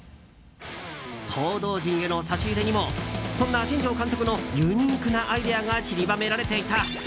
報道陣への差し入れにもそんな新庄監督のユニークなアイデアがちりばめられていた。